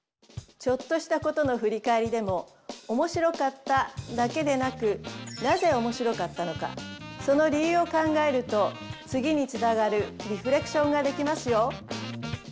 ちょっとしたことの振り返りでも面白かっただけでなくなぜ面白かったのかその理由を考えると次につながるリフレクションができますよ。